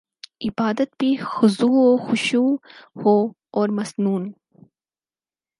عبادت میں خضوع وخشوع ہواور مسنون